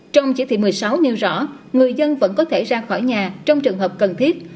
trong chỉ thị một mươi sáu nêu rõ người dân vẫn có thể ra khỏi nhà trong trường hợp cần thiết